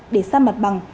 để xăng mặt bằng